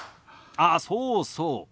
あっそうそう。